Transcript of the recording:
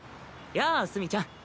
やあ墨ちゃん。